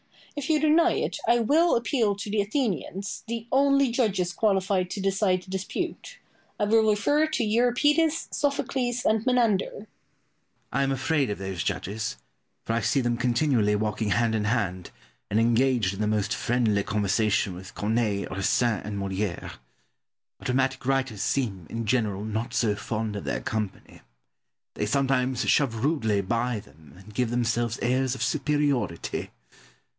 If you deny it, I will appeal to the Athenians, the only judges qualified to decide the dispute. I will refer it to Euripides, Sophocles, and Menander. Pope. I am afraid of those judges, for I see them continually walking hand in hand, and engaged in the most friendly conversation with Corneille, Racine, and Moliere. Our dramatic writers seem, in general, not so fond of their company; they sometimes shove rudely by them, and give themselves airs of superiority.